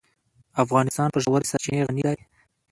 افغانستان په ژورې سرچینې غني دی.